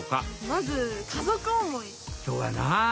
まずそうやな！